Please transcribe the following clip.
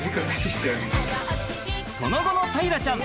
その後の大樂ちゃん。